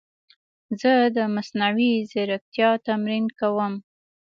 زه د مصنوعي ځیرکتیا تمرین کوم.